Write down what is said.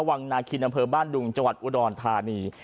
วังนาคินอำเภอบ้านดุงจังหวัดอุดรธานี